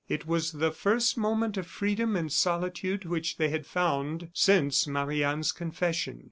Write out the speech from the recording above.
It was the first moment of freedom and solitude which they had found since Marie Anne's confession.